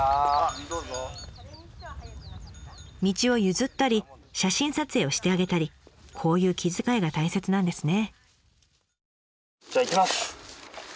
道を譲ったり写真撮影をしてあげたりこういう気遣いが大切なんですね。